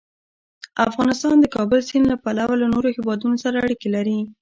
افغانستان د د کابل سیند له پلوه له نورو هېوادونو سره اړیکې لري.